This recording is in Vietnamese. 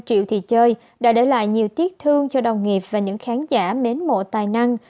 triệu thị chơi đã để lại nhiều tiếc thương cho đồng nghiệp và những khán giả mến mộ tài năng